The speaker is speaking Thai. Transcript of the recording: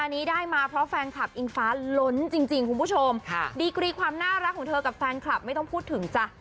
อันนี้ได้มาเพราะแฟนคลับอิงฟ้าล้นจริงจริงคุณผู้ชมค่ะดีกรีความน่ารักของเธอกับแฟนคลับไม่ต้องพูดถึงจ้ะ